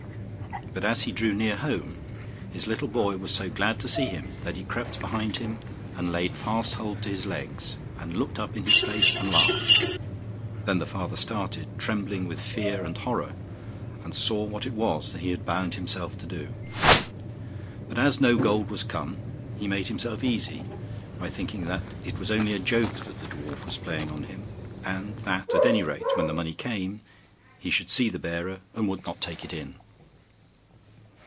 But as he drew near home, his little boy was so glad to see him that he crept behind him, and laid fast hold of his legs, and looked up in his face and laughed. Then the father started, trembling with fear and horror, and saw what it was that he had bound himself to do; but as no gold was come, he made himself easy by thinking that it was only a joke that the dwarf was playing him, and that, at any rate, when the money came, he should see the bearer, and would not take it in.